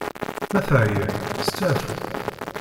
Ma teɛyiḍ, steɛfu!